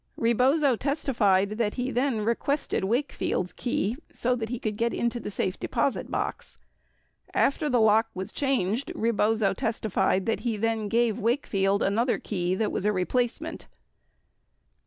81 Rebozo testified that he then requested Wakefield's key so that he could get into the safe deposit box. 82 After the lock was changed, Re bozo testified that he then gave Wakefield another key that was a re placement.